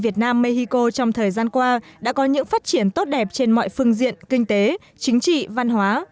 việt nam mexico trong thời gian qua đã có những phát triển tốt đẹp trên mọi phương diện kinh tế chính trị văn hóa